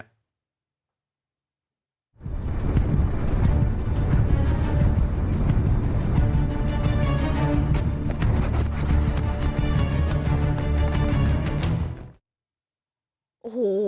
โอ้โห